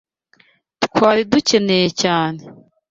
twari dukeneye cyane.